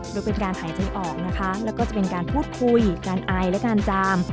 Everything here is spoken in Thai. โดยเป็นการหายใจออกนะคะแล้วก็จะเป็นการพูดคุยการไอและการจาม